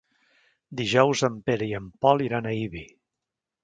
Dijous en Pere i en Pol iran a Ibi.